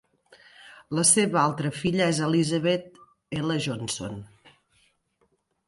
La seva altra filla és Elizabeth L. Johnson.